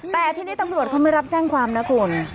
แต่ทีนี้ตำรวจเขาไม่รับแจ้งความนะคุณ